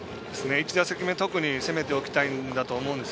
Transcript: １打席目、特に攻めておきたいんだと思います。